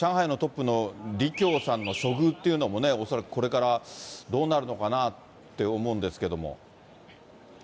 上海のトップのリキョウさんの処遇っていうのは、恐らくこれからどうなるのかなって思うんですけども。